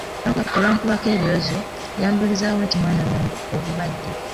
Olwankubako ebirozo yambuulizaawo nti mwana wange ogubadde?